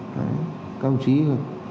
các ông chí là